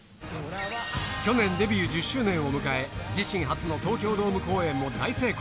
去年、デビュー１０周年を迎え、自身初の東京ドーム公演も大成功。